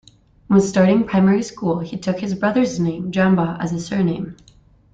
When starting primary school, he took his brother's name, Jamba, as a surname.